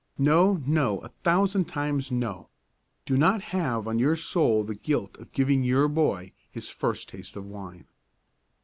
No, no, a thousand times no! Do not have on your soul the guilt of giving your boy his first taste of wine.